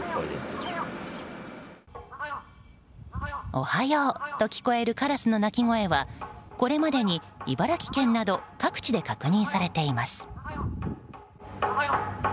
おはようと聞こえるカラスの鳴き声はこれまでに茨城県など各地で確認されています。